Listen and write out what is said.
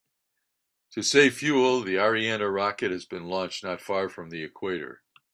To save fuel, the Ariane rocket has been launched not far from the equator.